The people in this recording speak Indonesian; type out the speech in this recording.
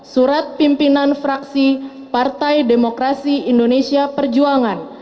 surat pimpinan fraksi partai demokrasi indonesia perjuangan